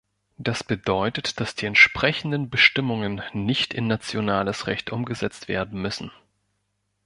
Das bedeutet, dass die entsprechenden Bestimmungen nicht in nationales Recht umgesetzt werden müssen.